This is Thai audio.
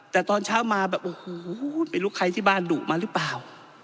แต่ตอนเช้ามาแบบโอ้โหไม่รู้ใครที่บ้านดุมาหรือเปล่า